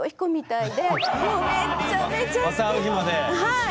はい！